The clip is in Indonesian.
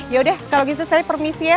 yaudah kalau gitu saya permisi ya